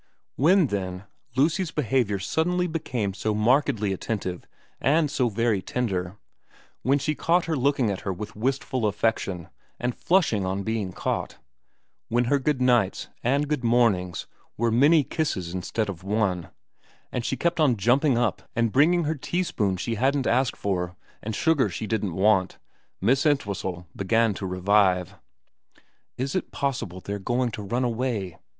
When, then, Lucy's behaviour suddenly became so markedly attentive and so very tender, when she caught her looking at her with wistful affection and flushing on being caught, when her good nights and good mornings were many kisses instead of one, and she kept on jumping up and bringing her teaspoons she hadn't asked for and sugar she didn't want, Miss Entwhistle began to revive. ' Is it possible they're going to run away